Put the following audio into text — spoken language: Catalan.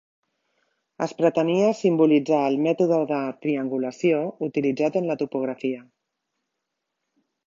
Es pretenia simbolitzar el mètode de triangulació utilitzat en la topografia.